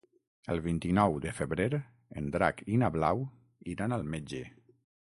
El vint-i-nou de febrer en Drac i na Blau iran al metge.